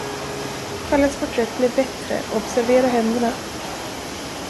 Kalles porträtt blev bättre, observera händerna.